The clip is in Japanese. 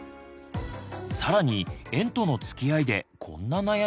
更に「園とのつきあい」でこんな悩みも。